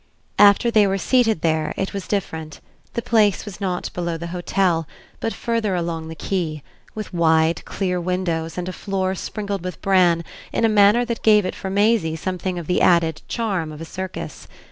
XXX After they were seated there it was different: the place was not below the hotel, but further along the quay; with wide, clear windows and a floor sprinkled with bran in a manner that gave it for Maisie something of the added charm of a circus.